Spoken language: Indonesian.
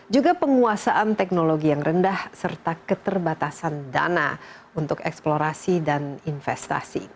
juga penguasaan teknologi yang rendah serta keterbatasan dana untuk eksplorasi dan investasi